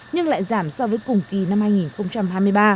nhưng lại giảm so với cùng kỳ năm hai nghìn hai mươi ba